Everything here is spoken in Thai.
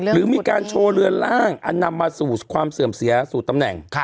หรือมีการโชว์เรือนล่างอันนำมาสู่ความเสื่อมเสียสู่ตำแหน่ง